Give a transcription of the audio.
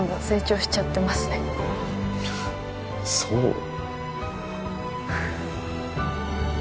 成長しちゃってますねそう？